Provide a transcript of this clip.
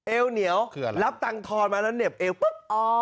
เอวเหนียวรับตังทอนมาแล้วเหน็บเอวปุ๊บ